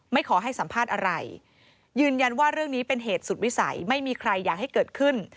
ขอให้สัมภาษณ์อะไรยืนยันว่าเรื่องนี้เป็นเหตุสุดวิสัยไม่มีใครอยากให้เกิดขึ้น